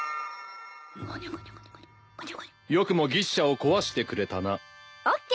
よくも牛車を壊してくれたな。ＯＫ。